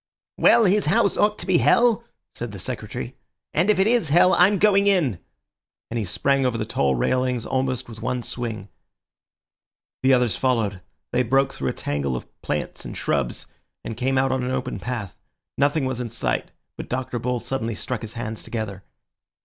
"Well, his house ought to be hell!" said the Secretary; "and if it is hell, I'm going in!" and he sprang over the tall railings almost with one swing. The others followed. They broke through a tangle of plants and shrubs, and came out on an open path. Nothing was in sight, but Dr. Bull suddenly struck his hands together.